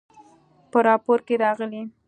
په راپور کې راغلي